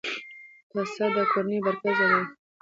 پسه د کورنۍ برکت زیاتوي.